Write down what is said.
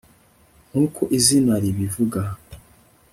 nk'uko izina ribivuga